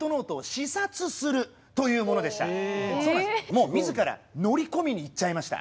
もう自ら乗り込みに行っちゃいました。